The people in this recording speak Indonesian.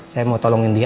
saya mau tolongin dia